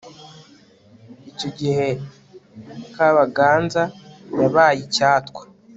icyo gihe kabaganza yabaye icyatwa